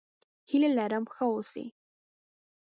هيله لرم ښه اوسې!